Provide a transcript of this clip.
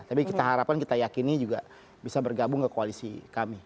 tapi kita harapkan kita yakini juga bisa bergabung ke koalisi kami